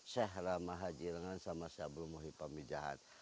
syekh rahmah haji irengan sama syekh rumuhi pemijahan